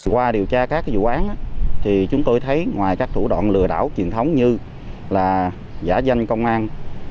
qua điều tra các vụ án thì chúng tôi thấy ngoài các thủ đoạn lừa đảo truyền thống như là giả danh công an